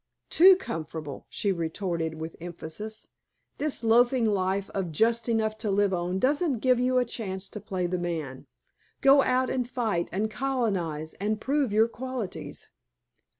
"Too comfortable," she retorted with emphasis. "This loafing life of just enough to live on doesn't give you a chance to play the man. Go out and fight and colonize and prove your qualities."